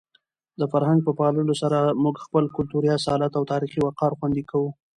د فرهنګ په پاللو سره موږ خپل کلتوري اصالت او تاریخي وقار خوندي کوو.